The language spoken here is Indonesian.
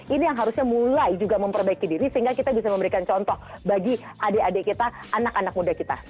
ini yang harusnya mulai juga memperbaiki diri sehingga kita bisa memberikan contoh bagi adik adik kita anak anak muda kita